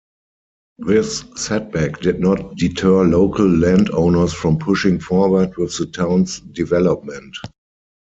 This setback did not deter local landowners from pushing forward with the town's development.